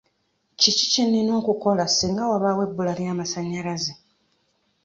Kiki kye nnina okukola singa wabaawo ebbula ly'amasannyalaze?